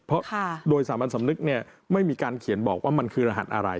เพราะโดยสามัญสำนึกเนี่ยไม่มีการเขียนบอกว่ามันคือรหัสอะไร